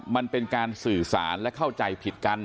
มันเป็นการสื่อสารและเข้าใจผิดกัน